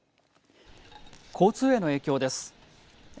交通への影響です。